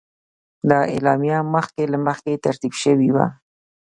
دا اعلامیه مخکې له مخکې ترتیب شوې وه.